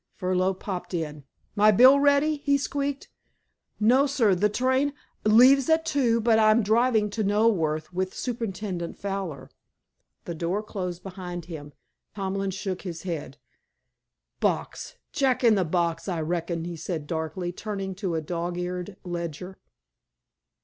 Furneaux popped in. "My bill ready?" he squeaked. "No, sir. The train—" "Leaves at two, but I'm driving to Knoleworth with Superintendent Fowler." The door closed behind him. Tomlin shook his head. "Box! Jack in the box, I reckon," he said darkly, turning to a dog eared ledger.